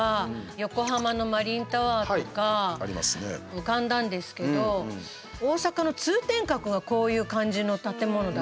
横浜のマリンタワーとか浮かんだんですけど大阪の通天閣がこういう感じの建物だなと。